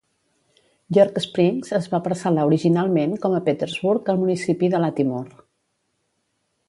York Springs es va parcel·lar originalment com a Petersburg al municipi de Latimore.